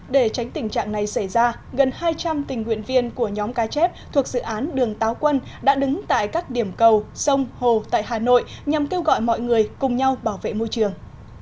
để tránh tình trạng này xảy ra gần hai trăm linh tình nguyện viên của nhóm cá chép thuộc dự án đường táo quân đã đứng tại các điểm cầu sông hồ tại hà nội nhằm kêu gọi mọi người cùng nhau bảo vệ môi trường